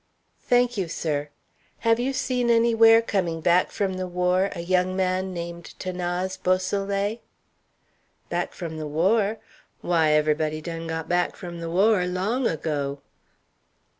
"Thank you, sir. Have you seen anywhere, coming back from the war, a young man named 'Thanase Beausoleil?" "Back from the war! Why, everybody done got back from the war long ago."